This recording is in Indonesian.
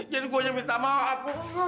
jadi gua yang minta maaf